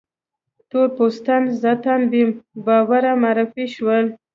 تور پوستان ذاتاً بې باوره معرفي شول.